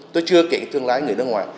tôi chưa kể thương lái người nước ngoài